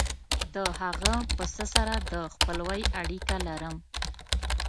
د هغه پسه سره د خپلوۍ اړیکه لرم.